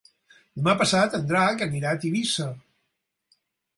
Demà passat en Drac anirà a Tivissa.